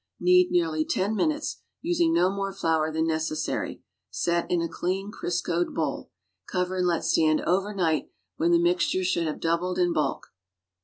Knead nearly ten minutes, using no more flour than necessary, set in a clean, Criscoed bowl. Cover and let stand overnight, when the mix ture should have doubled in bulk.